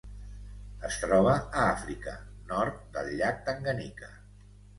Es troba a Àfrica: nord del llac Tanganyika.